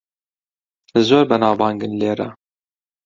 زۆر بەناوبانگن لێرە.